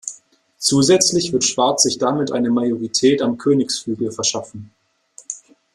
Zusätzlich wird Schwarz sich damit eine Majorität am Königsflügel verschaffen.